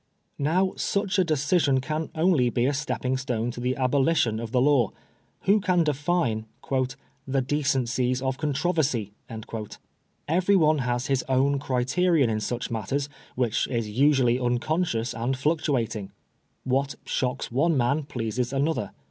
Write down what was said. Now such a decision can only be a stepping stone to the abolition of the law. Who can define " the decen PREFACE. 11 cieB of controversy ?" Everyone has his own criterion in snch matters, which is usually unconscious and fluctuating. What shocks one man pleases another.